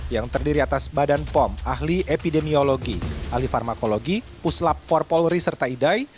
yang terdiri atas badan pom ahli epidemiologi ahli farmakologi puslap for polri serta idai